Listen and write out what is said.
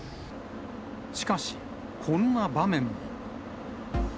しかし、こんな場面も。